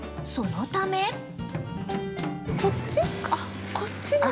そのため◆こっち？